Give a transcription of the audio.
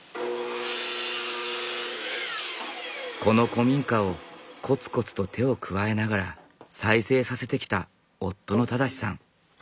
この古民家をこつこつと手を加えながら再生させてきた夫の正さん。